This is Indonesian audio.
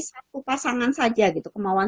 satu pasangan saja gitu kemauan